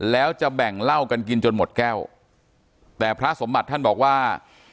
แล้วจะแบ่งเหล้ากันกินจนหมดแก้วแต่พระสมบัติท่านบอกว่า